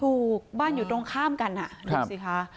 ถูกบ้านอยู่ตรงข้ามกันอ่ะถูกสิค่ะ